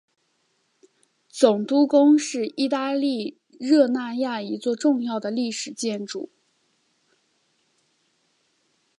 总督宫是意大利热那亚一座重要的历史建筑。